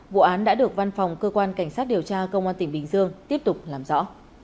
vụ án đã được văn phòng cơ quan cảnh sát điều tra công an tỉnh bình dương tiếp tục làm rõ